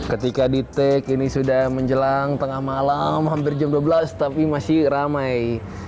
ketika di take ini sudah menjelang tengah malam hampir jam dua belas tapi masih ramai